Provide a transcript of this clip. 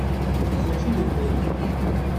Mačči d lmelk.